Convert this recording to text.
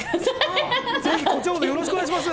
ぜひ、こちらこそ、よろしくお願いします。